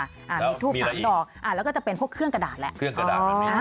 อ่ามีทูบสามดอกอ่าแล้วก็จะเป็นพวกเครื่องกระดาษแหละเครื่องกระดาษเห็นไหม